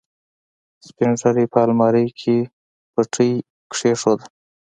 سپينږيري په المارۍ کې پټۍ کېښوده.